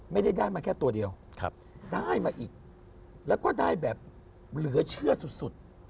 ไม่ได้ได้มาแค่ตัวเดียวได้มาอีกแล้วก็ได้แบบเหลือเชื่อสุด